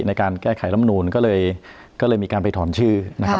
ในการแก้ไขลำนูนก็เลยก็เลยมีการไปถอนชื่อนะครับ